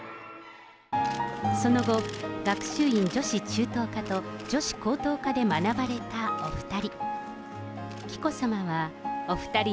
その後、学習院女子中等科と女子高等科で学ばれたお２人。